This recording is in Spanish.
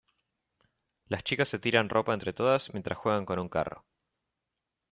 Las chicas se tiran ropa entre todas mientras juegan con un carro.